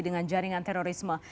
dengan jaringan terorisme